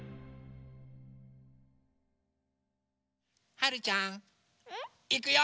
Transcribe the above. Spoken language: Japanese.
はるちゃんいくよ！